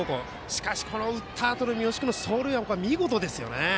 しかし、打ったあとの三好君の走塁は見事ですよね。